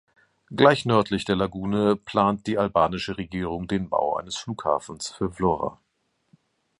Gleich nördlich der Lagune plant die albanische Regierung den Bau eines Flughafens für Vlora.